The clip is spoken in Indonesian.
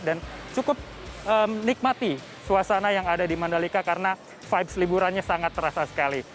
dan cukup menikmati suasana yang ada di mandalika karena vibes liburannya sangat terasa sekali